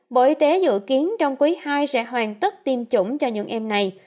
bộ y tế dự kiến trong quý ii sẽ hoàn tất tiêm chủng cho những em này